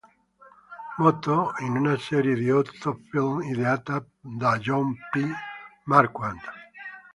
Moto", in una serie di otto film ideata da John P. Marquand.